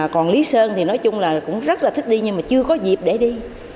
còn lý sơn thì nói chung là cũng rất là thích đi nhưng mà chưa có dịp để đi